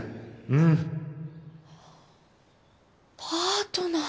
うんパートナー。